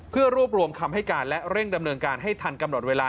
เพื่อรวบรวมคำให้การและเร่งดำเนินการให้ทันกำหนดเวลา